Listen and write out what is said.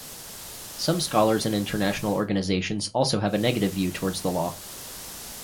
Some scholars and international organizations also have negative view towards the law.